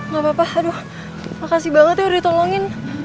gpp makasih banget yang udah ditolongin